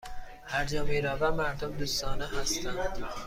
هرجا می روم، مردم دوستانه هستند.